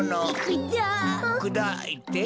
くだいて。